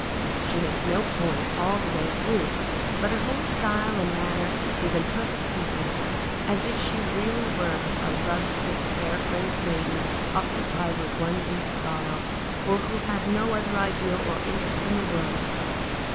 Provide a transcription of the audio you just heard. She makes no point all the way through, but her whole style and manner is in perfect keeping, as if she were really a love sick, care crazed maiden, occupied with one deep sorrow, and who had no other idea or interest in the world.